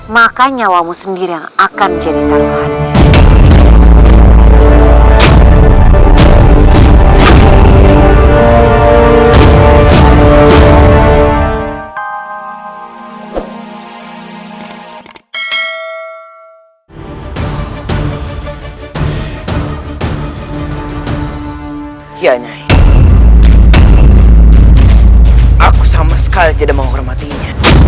makanya wawamu sendiri yang akan jadi karuhan